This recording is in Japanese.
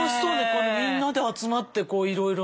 みんなで集まってこういろいろね。